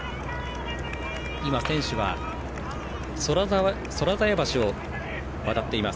選手は空鞘橋を渡っています。